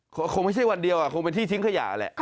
คงไม่ใช่วันเดียวคงเป็นที่ทิ้งขยะแหละ